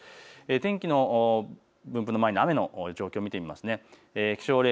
天気の分布の前に雨の状況を見てみましょう。